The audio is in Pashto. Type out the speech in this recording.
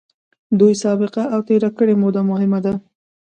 دوی سابقه او تېره کړې موده مهمه ده.